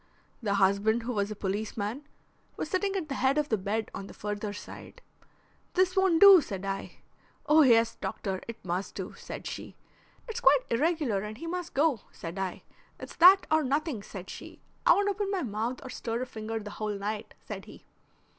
The husband who was a policeman, was sitting at the head of the bed on the further side. 'This won't do,' said I. 'Oh yes, doctor, it must do,' said she. 'It's quite irregular and he must go,' said I. 'It's that or nothing,' said she. 'I won't open my mouth or stir a finger the whole night,' said he.